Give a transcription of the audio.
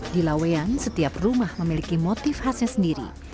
di laweyan setiap rumah memiliki motif khasnya sendiri